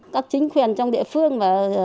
các chính quyền trong địa phương